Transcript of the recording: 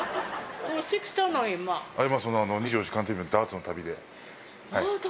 今、２４時間テレビのダーツダーツの旅で。